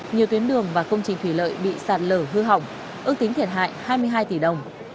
nhiều tuyến đường và công trình thủy lợi bị sạt lở hư hỏng ước tính thiệt hại hai mươi hai tỷ đồng